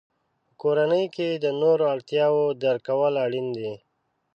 په کورنۍ کې د نورو اړتیاوو درک کول اړین دي.